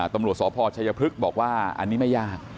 ตำรวจสพชัยพฤกษ์บอกว่าอันนี้ไม่ยาก